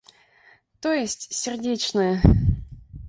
То есть, сердечные?